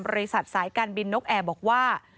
บริษัทสายการบินนกแอร์บอกว่า